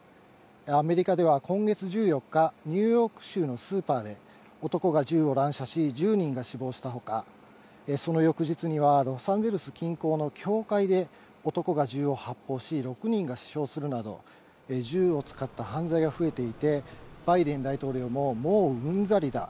アメリカでは今月１４日、ニューヨーク州のスーパーで男が銃を乱射し、１０人が死亡したほか、その翌日には、ロサンゼルス近郊の教会で、男が銃を発砲し、６人が死傷するなど、銃を使った犯罪が増えていて、バイデン大統領も、もううんざりだ。